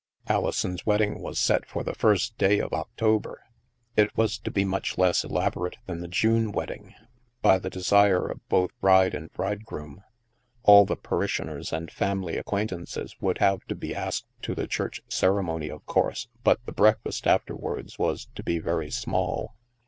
Ali son's wedding was set for the first day of October. It was to be much less elaborate than the June wed ding, by the desire of both bride and bridegroom. All the parishioners and family acquaintances would have to be asked to the Church ceremony, of course, but the breakfast afterwards was to be very small.